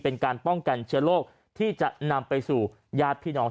เป็นการป้องกันเชื้อโรคที่จะนำไปสู่ญาติพี่น้อง